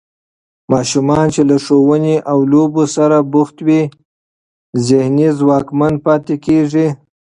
ماشومان چې له ښوونې او لوبو سره بوخت وي، ذهني ځواکمن پاتې کېږي.